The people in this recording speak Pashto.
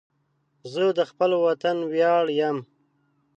زه د خپل وطن ویاړ یم